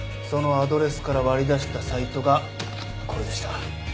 そのアドレスから割り出したサイトがこれでした。